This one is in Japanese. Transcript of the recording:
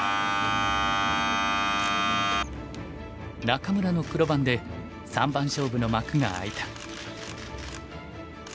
仲邑の黒番で三番勝負の幕が開いた。